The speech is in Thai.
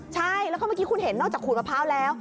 ใช่แล้วก็เมื่อกี้คุณเห็นนอกจากขูดมะพร้าวแล้ว